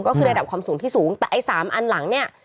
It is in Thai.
ก็คือระดับความสูงที่สูงแต่ไอ้สามอันหลังเนี่ย